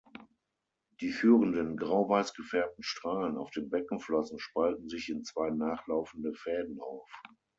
Die führenden grau-weiß gefärbten Strahlen auf den Beckenflossen spalten sich in zwei nachlaufende Fäden auf.